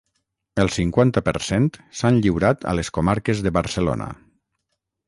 El cinquanta per cent s'han lliurat a les comarques de Barcelona.